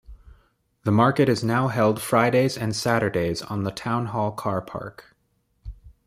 The market is now held Fridays and Saturdays on the town hall car park.